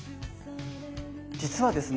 実はですね